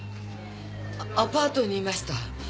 アアパートにいました。